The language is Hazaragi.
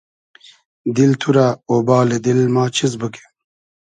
دیل تو رۂ اۉبالی دیل ما چیز بوگیم